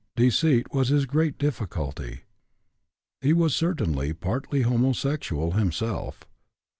Deceit was his great difficulty. He was certainly partly homosexual himself.